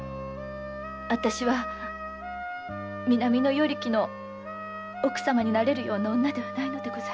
私は南の与力の奥様になれるような女ではないのです。